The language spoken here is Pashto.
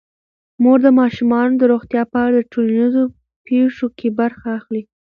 مور د ماشومانو د روغتیا په اړه د ټولنیزو پیښو کې برخه اخلي.